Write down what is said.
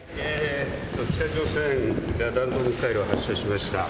北朝鮮が弾道ミサイルを発射しました。